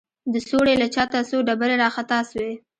د سوړې له چته څو ډبرې راخطا سوې.